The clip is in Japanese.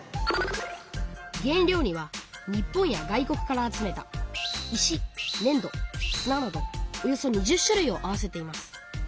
原料には日本や外国から集めた石ねん土すななどおよそ２０種類を合わせています。